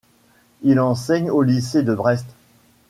Il enseigne au Lycée de Brest.